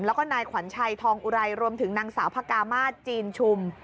แล้วก็นายขวัญชัยทองอุไรรวมถึงนางสาวพระกามาศจีนชุม